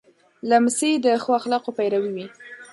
لمسی د ښو اخلاقو پیرو وي.